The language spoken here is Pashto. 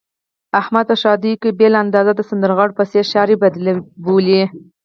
احمد په ښادیو کې په بېل انداز د سندرغاړو په څېر ښاري بدلې بولي.